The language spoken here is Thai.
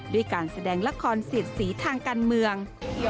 ด้วยการแสดงละครเสียดสีทางการเมือง